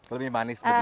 lebih manis begitu ya